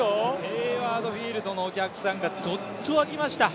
ヘイワード・フィールドのお客さんが、どっと沸きました。